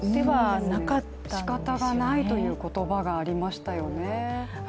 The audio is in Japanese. しかたがないという言葉がありましたよね。